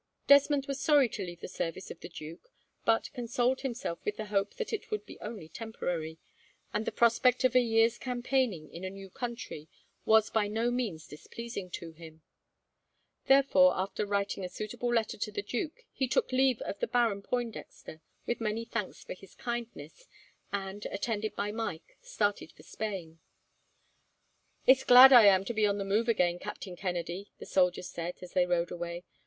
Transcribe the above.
Desmond was sorry to leave the service of the duke, but consoled himself with the hope that it would be only temporary; and the prospect of a year's campaigning, in a new country, was by no means displeasing to him. Therefore, after writing a suitable letter to the duke, he took leave of the Baron Pointdexter, with many thanks for his kindness, and, attended by Mike, started for Spain. "It's glad I am to be on the move again, Captain Kennedy," the soldier said, as they rode away.